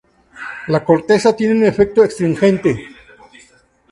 La corteza tiene un efecto astringente.